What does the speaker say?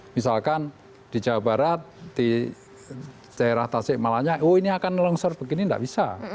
misalkan di jawa barat di daerah tasik malanya oh ini akan longsor begini tidak bisa